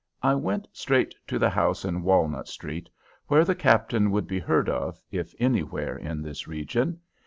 I went straight to the house in Walnut Street where the Captain would be heard of, if anywhere in this region.